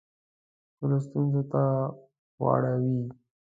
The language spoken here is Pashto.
خپلو ستونزو ته واړوي.